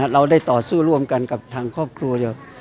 เราได้ต่อสู้ร่วมกันกับทางครอบครัว